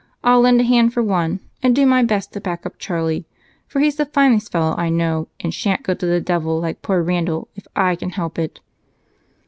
I'll lend a hand for one, and do my best to back up Charlie, for he's the finest fellow I know, and shan't go to the devil like poor Randal if I can help it."